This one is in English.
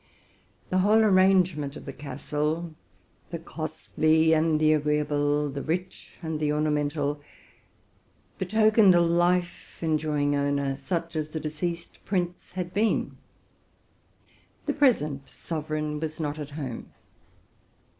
The whole arrangement of the castle, the costly and the agreeable, the rich and the ornamental, betokened a life enjoy ing owner, such as the deceased prince had been: the present 28 TRUTH AND FICTION sovereign was not at home.